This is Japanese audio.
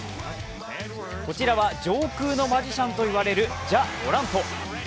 こちらは上空のマジシャンと言われるジャ・モラント。